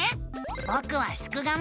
ぼくはすくがミ。